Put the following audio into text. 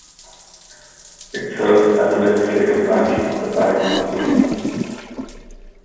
It serves as the legislative branch of the Paraguayan state.